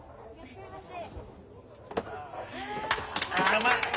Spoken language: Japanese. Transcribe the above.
あうまい！